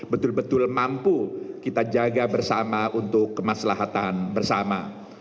betul betul mampu kita jaga bersama untuk kemaslahatan bersama